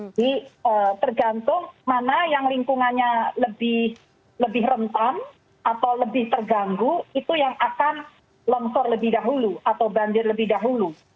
jadi tergantung mana yang lingkungannya lebih rentan atau lebih terganggu itu yang akan longsor lebih dahulu atau banjir lebih dahulu